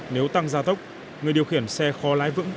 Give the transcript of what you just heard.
nếu tăng ra tốc người điều khiển xe kho lái vững